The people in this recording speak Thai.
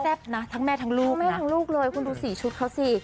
นะทั้งแม่ทั้งลูกแม่ทั้งลูกเลยคุณดูสีชุดเขาสิ